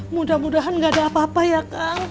mudah mudahan gak ada apa apa ya kang